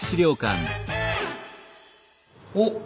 おっ！